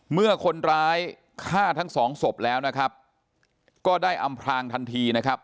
เมื่อคนร้ายฆ่าทั้งสองศพแล้วนะครับก็ได้อำพลางทันทีนะครับ